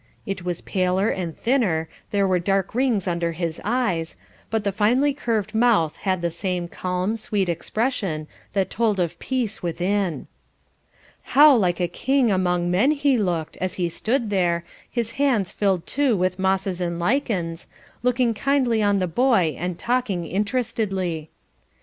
It was paler and thinner, there were dark rings under the eyes, but the finely curved mouth had the same calm, sweet expression that told of peace within. How like a king among men he looked, as he stood there, his hands filled too with mosses and lichens, looking kindly on the boy and talking interestedly.